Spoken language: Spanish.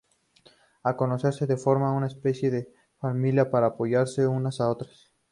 Al conocerse, forman una especie de familia para apoyarse unas a otras.